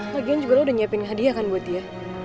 lagian juga lo udah nyiapin hadiah kan buat dia